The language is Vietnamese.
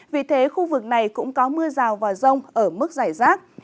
vì thế khu vực này cũng có mưa rào và rông ở mức giải rác